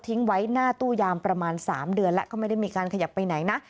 ไว้หน้าตู้ยามประมาณ๓เดือนแล้วก็ไม่ได้มีการขยับไปไหนนะ